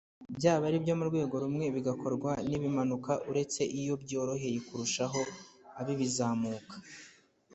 byaba aribyo murwego rumwe bigakorwa n’ibimanuka uretse iyo byoroheye kurushaho ab’ibizamuka